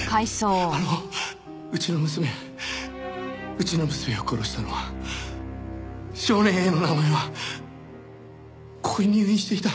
あのうちの娘うちの娘を殺したのは少年Ａの名前はここに入院していた。